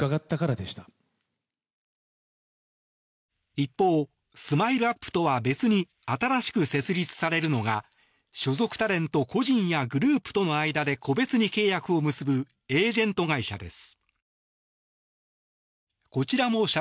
一方ＳＭＩＬＥ−ＵＰ．とは別に新しく設立されるのが所属タレント個人やグループとの間で個別に契約を結ぶエージェント会社です。